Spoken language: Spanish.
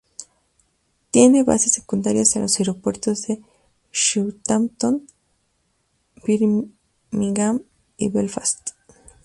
Tiene bases secundarias en los aeropuertos de Southampton, Birmingham y Belfast.